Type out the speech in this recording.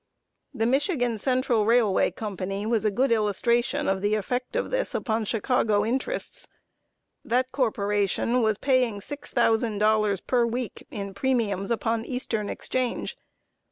The Michigan Central Railway Company was a good illustration of the effect of this upon Chicago interests. That corporation was paying six thousand dollars per week in premiums upon eastern exchange.